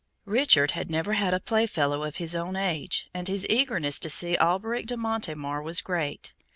Richard had never had a playfellow of his own age, and his eagerness to see Alberic de Montemar was great.